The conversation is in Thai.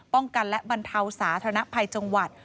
ป้องกันและบรรเทาสาธารณภัยจังหวัด